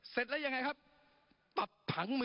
เพื่อให้รัฐได้ค่าตอบแทนที่ต่ำที่สุด